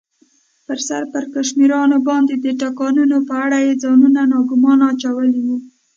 پر سر پړکمشرانو باندې د ټکانونو په اړه یې ځانونه ناګومانه اچولي و.